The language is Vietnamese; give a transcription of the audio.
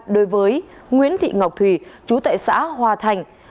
đối với nguyễn thị ngọc thùy chú tại xã hòa thành